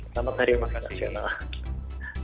selamat hari musik nasional